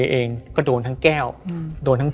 เพื่อที่จะให้แก้วเนี่ยหลอกลวงเค